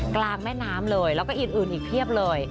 กลางแม่น้ำเลยแล้วก็อื่นอีกเพียบเลย